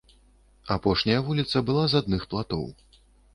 Апошняя вуліца была з адных платоў.